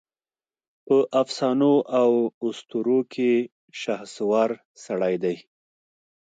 په افسانواواسطوروکې شهسوار سړی دی